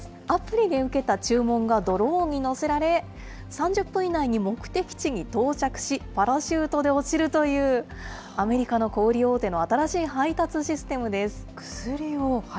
アプリで受けた注文がドローンに載せられ、３０分以内に目的地に到着し、パラシュートで落ちるという、アメリカの小売り大手の新しい配達システムです。